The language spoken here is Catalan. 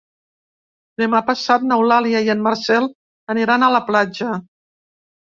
Demà passat n'Eulàlia i en Marcel aniran a la platja.